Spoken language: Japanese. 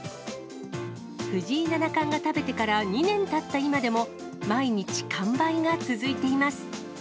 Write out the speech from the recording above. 藤井七冠が食べてから２年たった今でも、毎日完売が続いています。